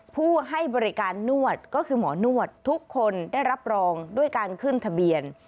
ผู้ให้บริการนวดก็คือหมอนวดทุกคนได้รับรองด้วยการขึ้นทะเบียน